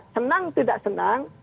senang tidak senang